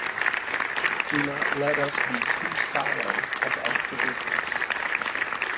Do not let us be too solemn about the business.